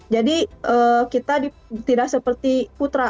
jadi kita tidak seperti putra